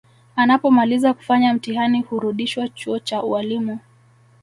Anapomaliza kufanya mtihani hurudishwa chuo cha ualimu